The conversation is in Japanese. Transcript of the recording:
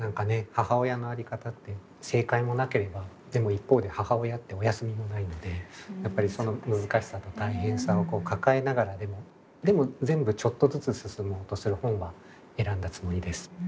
母親の在り方って正解もなければでも一方で母親ってお休みもないのでやっぱりその難しさと大変さを抱えながらでもでも全部ちょっとずつ進もうとする本は選んだつもりです。